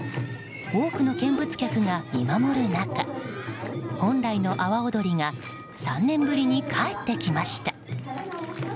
多くの見物客が見守る中本来の阿波おどりが３年ぶりに帰ってきました。